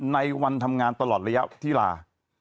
ในวันทำงานตลอดระยะที่ลา